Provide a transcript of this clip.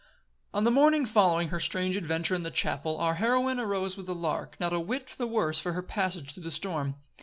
On the morning following her strange adventure in the chapel, our heroine arose with the lark, not a whit the worse for her passage through the storm.